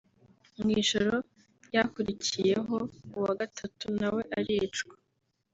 mu ijoro ryakurikiyeho uwa gatatu nawe aricwa